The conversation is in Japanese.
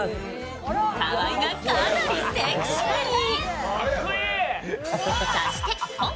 河井がかなりセクシーに。